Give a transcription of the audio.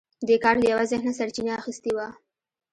دې کار له یوه ذهنه سرچینه اخیستې وه